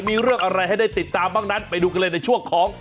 มีเรื่องอะไรที่ติดตามบ้างก็ได้ก็ได้ไปดูในช่วงของ